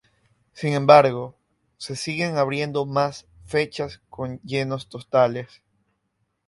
Sin embargo, se siguen abriendo más fechas con llenos totales.